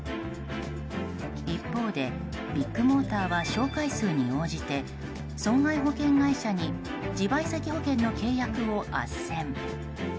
一方で、ビッグモーターは紹介数に応じて損害保険会社に自賠責保険の契約をあっせん。